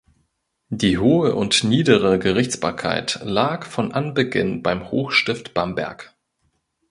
Die hohe und niedere Gerichtsbarkeit lag von Anbeginn beim Hochstift Bamberg.